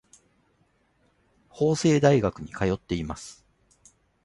法政大学に通っています。